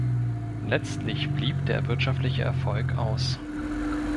Letztlich blieb der wirtschaftliche Erfolg aus.